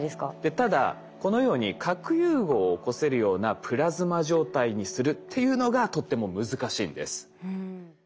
ただこのように核融合を起こせるようなプラズマ状態にするっていうのがとっても難しいんです。